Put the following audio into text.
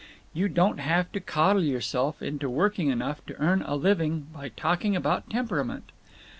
You don't have to coddle yourself into working enough to earn a living by talking about temperament.